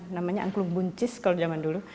namanya angklung buncis kalau zaman dulu